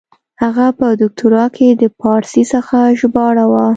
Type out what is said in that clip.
هغه په دوکتورا کښي د پاړسي څخه ژباړه وه.